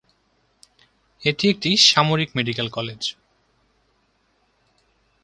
এটি একটি সামরিক মেডিকেল কলেজ।